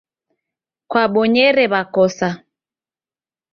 Kwabonyere makosa.